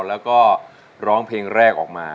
แล้วก็ร้องเพลงแรกออกมา